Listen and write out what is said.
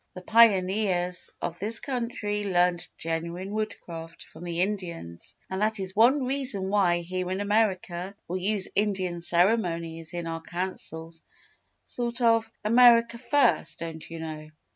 "The pioneers of this country learned genuine Woodcraft from the Indians, and that is one reason why, here in America, we use Indian ceremonies in our Councils sort of "America First" don't you know.